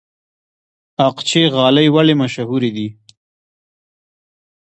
اقچې غالۍ ولې مشهورې دي؟